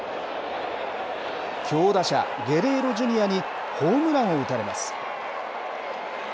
強打者、ゲレーロＪｒ．にホームランを打たれます。